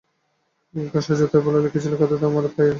খাসা যাত্রার পালা লিখেছিল খাতাতে, আমায় পড়ে শোনালে।